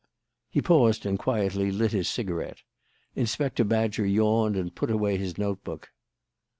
He paused and quietly lit his cigarette. Inspector Badger yawned and put away his note book.